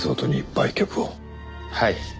はい。